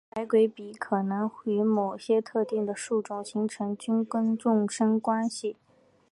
白鬼笔可能会与某些特定的树种形成菌根共生关系。